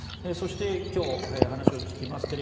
そして、今日、話を聞きます